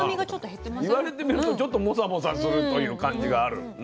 言われてみるとちょっとモサモサするという感じがある。